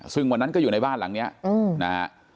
ซึ่งวันนั้นก็อยู่ในบ้านหลังนี้นะฮะ